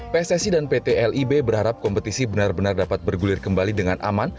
pssi dan pt lib berharap kompetisi benar benar dapat bergulir kembali dengan aman